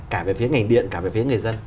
cả về phía ngành điện cả về phía người dân